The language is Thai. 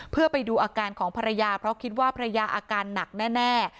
เพื่อไปดูอาการของภรรยาเพราะคิดว่าภรรยาอาการหนักแน่